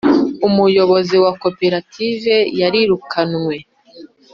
umuyobozi wa koperative yarirukanwe.